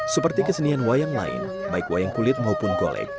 seperti kesenian wayang lain baik wayang kulit maupun golek